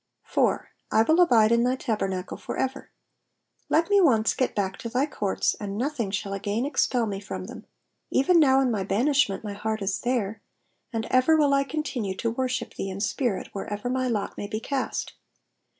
4. ^'I will abide in thy taheruacle far ever.^^ Let me once get back to thy courts, and nothing shall again expel me from them : even now in my banish ment my heart is there ; and ever will I continue to worship thee in spiiit wherever my lot may be cast.